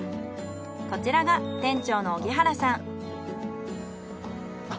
こちらが店長の荻原さん。